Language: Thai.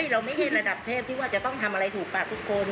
เราไม่ใช่ระดับเทพที่ว่าจะต้องทำอะไรถูกปากทุกคน